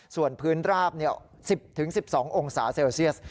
ส่วนพื้นราบ๑๐๑๒องศาเซลเซียส